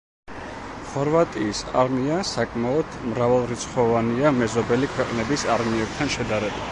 ხორვატიის არმია საკმაოდ მრავალრიცხოვანია მეზობელი ქვეყნების არმიებთან შედარებით.